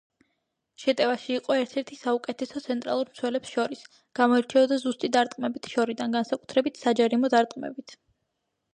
შეტევაში იყო ერთ-ერთი საუკეთესო ცენტრალურ მცველებს შორის, გამოირჩეოდა ზუსტი დარტყმებით შორიდან, განსაკუთრებით საჯარიმო დარტყმებით.